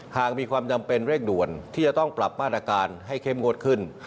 หากมีความจำเป็นเร่งด่วนที่จะต้องปรับมาตรการให้เข้มงวดขึ้น